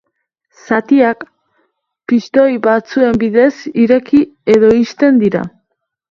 Zatiak, pistoi batzuen bidez ireki edo ixten dira.